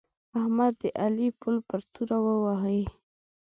احمد د علي پل پر توره وهي.